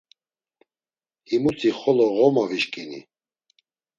Himuti xolo ğoma vişk̆ini.